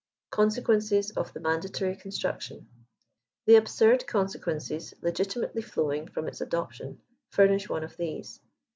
CONBtsaUENCES OF THE MANDATORY CONSTRUCTION^ The absurd consequences legitimately flowing from its adopliOA furnish one of these.